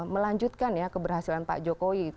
melanjutkan ya keberhasilan pak jokowi